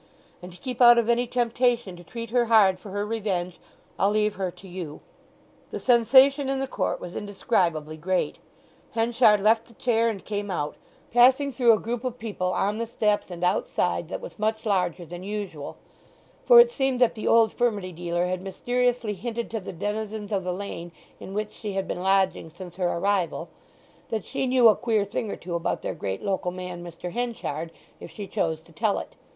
And to keep out of any temptation to treat her hard for her revenge, I'll leave her to you." The sensation in the court was indescribably great. Henchard left the chair, and came out, passing through a group of people on the steps and outside that was much larger than usual; for it seemed that the old furmity dealer had mysteriously hinted to the denizens of the lane in which she had been lodging since her arrival, that she knew a queer thing or two about their great local man Mr. Henchard, if she chose to tell it.